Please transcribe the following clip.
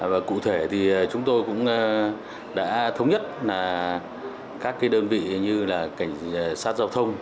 và cụ thể thì chúng tôi cũng đã thống nhất là các đơn vị như là cảnh sát giao thông